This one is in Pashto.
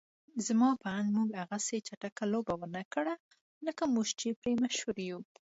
زما په اند موږ هغسې چټکه لوبه ونکړه لکه موږ چې پرې مشهور يو.